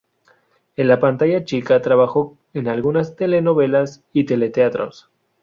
En la pantalla chica trabajó en algunas telenovelas y teleteatros.